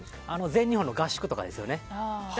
全日本の合宿とかです。